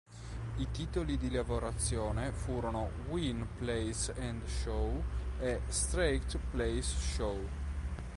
I titoli di lavorazione furono "Win, Place and Show" e "Straight, Place, Show".